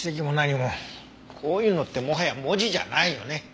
こういうのってもはや文字じゃないよね。